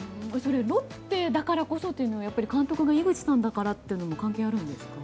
ロッテだからこそというのは監督が井口さんだからというのも関係あるんですか？